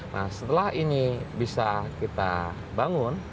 nah setelah ini bisa kita bangun